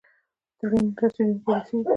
ټرین رسیدونکی دی